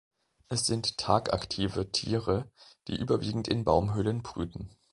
Es sind tagaktive Tiere, die überwiegend in Baumhöhlen brüten.